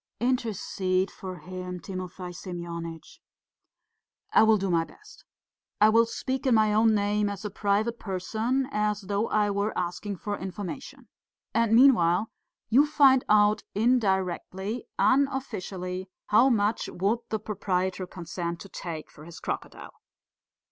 "Intercede for him, Timofey Semyonitch!" "I will do my best. I will speak in my own name, as a private person, as though I were asking for information. And meanwhile, you find out indirectly, unofficially, how much would the proprietor consent to take for his crocodile?"